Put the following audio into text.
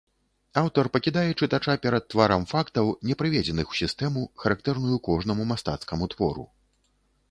Аўтар пакідае чытача перад тварам фактаў, не прыведзеных у сістэму, характэрную кожнаму мастацкаму твору.